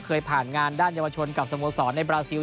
เคยผ่านงานด้านเยาวชนกับสโมสรในบราซิล